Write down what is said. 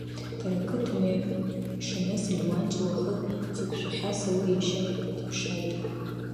Дара ақыҭа мҩа ишаныз, Леуанти уахык дзықәшәахьаз Заур иашьа диԥшааит.